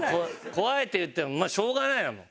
「怖い」って言ってもまあしょうがないよもう。